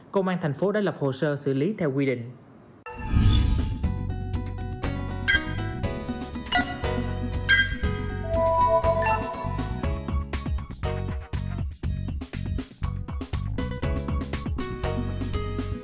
công an thành phố đã lập hồ sơ xử lý theo quy định